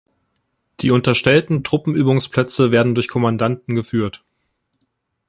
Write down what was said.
Die unterstellten Truppenübungsplätze werden durch Kommandanten geführt.